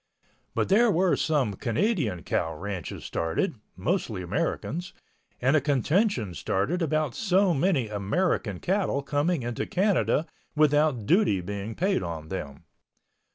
But there were some Canadian cow ranches started (mostly Americans) and a contention started about so many American cattle coming into Canada without duty being paid on them.